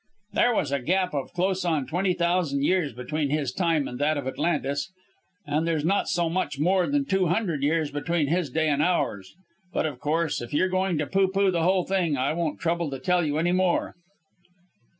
There was a gap of close on twenty thousand years between his time and that of Atlantis, and there's not much more than two hundred years between his day and ours. But, of course, if you're going to pooh pooh the whole thing I won't trouble to tell you any more!"